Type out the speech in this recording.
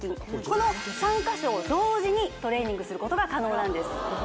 この３か所を同時にトレーニングすることが可能なんです